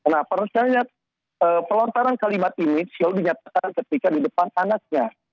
nah percaya pelontaran kalimat ini selalu dinyatakan ketika di depan anaknya